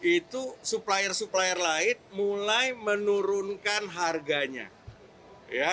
itu supplier supplier lain mulai menurunkan harganya